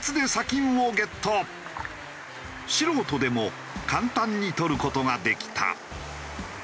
素人でも簡単に採る事ができた。